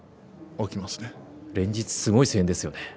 連日、すごい声援ですね。